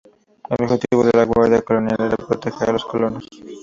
El objetivo de la Guardia colonial era proteger a los colonos.